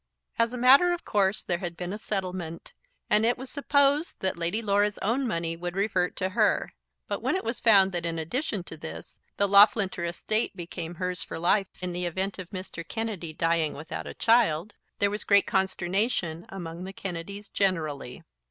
As a matter of course there had been a settlement, and it was supposed that Lady Laura's own money would revert to her; but when it was found that in addition to this the Loughlinter estate became hers for life, in the event of Mr. Kennedy dying without a child, there was great consternation among the Kennedys generally.